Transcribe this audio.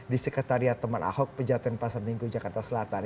di sekretariat teman ahok pejaten pasar minggu jakarta selatan